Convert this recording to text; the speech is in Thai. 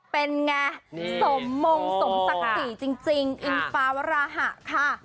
เป็นไงสมมงสมศักดิ์ศรีจริงอิงฟ้าวราหะค่ะ